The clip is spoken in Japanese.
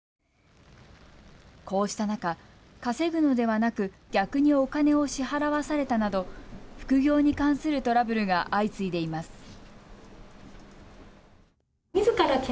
こうした中、稼ぐのではなく逆にお金を支払わされたなど副業に関するトラブルが相次いでいます。